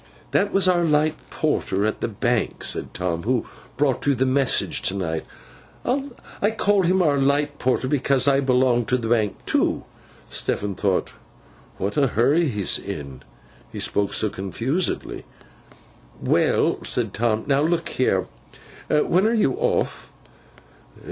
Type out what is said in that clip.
'That was our light porter at the Bank,' said Tom, 'who brought you the message to night. I call him our light porter, because I belong to the Bank too.' Stephen thought, 'What a hurry he is in!' He spoke so confusedly. 'Well!' said Tom. 'Now look here! When are you off?